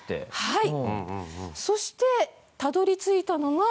はい。